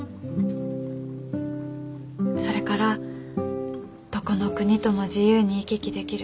それからどこの国とも自由に行き来できる。